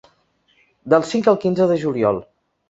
Del cinc al quinze de juliol.